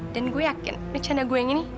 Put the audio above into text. dan gue yakin rencana gue yang ini